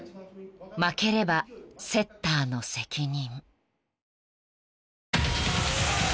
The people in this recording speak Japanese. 負ければセッターの責任］